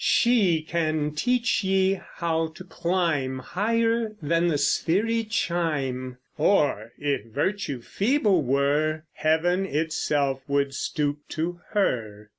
She can teach ye how to climb Higher than the sphery chime; Or if Virtue feeble were, Heaven itself would stoop to her.